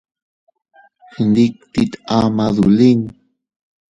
Gnditit ama dolin.